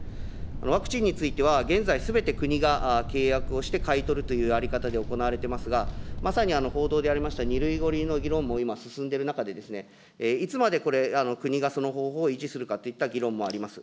ワクチンについては、現在、すべて国が契約をして買い取るというやり方で行われてますが、まさに報道でありました、２類、５類の議論も今、進んでいる中で、いつまでこれ、国がその方法を維持するかといった議論もあります。